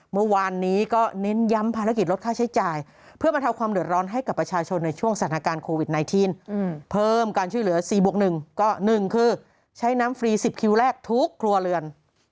เมื่อวานนี้ก็เน้นย้ำภารกิจลดค่าใช้จ่ายเพื่อบรรเทาความเดือดร้อนให้กับประชาชนในช่วงสถานการณ์โควิด๑๙เพิ่มการช่วยเหลือ๔บวก๑ก็๑คือใช้น้ำฟรี๑๐คิวแรกทุกครัวเรือน